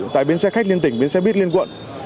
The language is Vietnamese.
tại biến xe khách liên tỉnh biến xe buýt liên quận